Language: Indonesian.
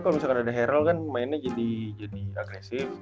kalo misalkan ada harrell kan pemainnya jadi agresif